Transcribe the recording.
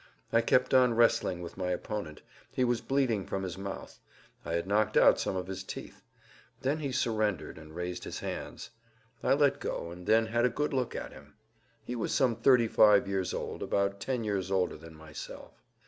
I kept on wrestling with my opponent. He was bleeding from[Pg 165] his mouth; I had knocked out some of his teeth. Then he surrendered and raised his hands. I let go and then had a good look at him. He was some 35 years old, about ten years older than myself.